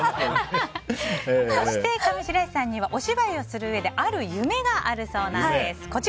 そして上白石さんにはお芝居をするうえである夢があるそうです。